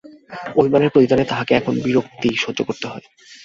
অভিমানের প্রতিদানে তাহাকে এখন বিরক্তি সহ্য করিতে হয়।